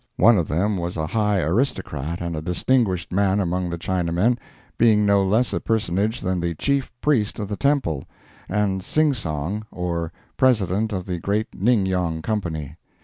One of them was a high aristocrat and a distinguished man among the Chinamen, being no less a personage than the chief priest of the temple, and "Sing Song" or President of the great Ning Yong Company.